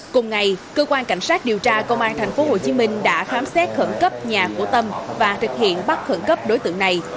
cùng ngày cơ quan cảnh sát điều tra công an tp hcm đã khám xét khẩn cấp nhà của tâm và thực hiện bắt khẩn cấp đối tượng này